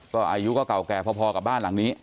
ก็อายุก็เก่าแก่พอกับบ้านหลังนี้